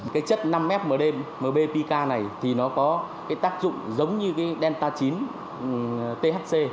cái chất năm f md mb pk này thì nó có cái tác dụng giống như cái delta chín thc